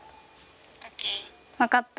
わかった。